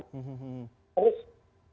harus melalui jalur klb seperti itu